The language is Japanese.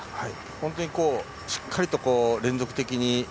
本当にしっかり連続的に。